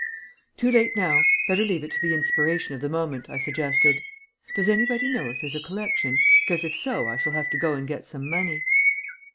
"Too late now. Better leave it to the inspiration of the moment," I suggested. "Does anybody know if there's a collection, because if so I shall have to go and get some money."